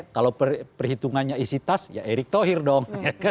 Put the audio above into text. kalau perhitungannya isi tas ya erick thohir dong